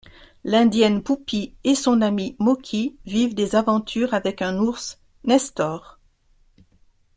L'indienne Poupy et son ami Moky vivent des aventures avec un ours, Nestor.